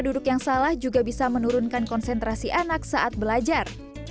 duduk yang salah juga bisa menurunkan konsentrasi anak saat belajar